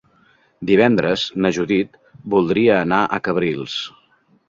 Divendres na Judit voldria anar a Cabrils.